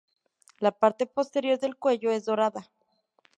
La parte posterior del cuello es dorado.